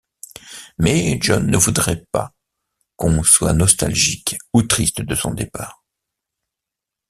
Mais John ne voudrait pas qu'on soit nostalgique ou triste de son départ.